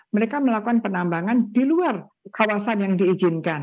mereka melakukan penambangan di luar kawasan yang diizinkan